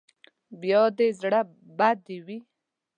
بیا دې زړه بدې وي.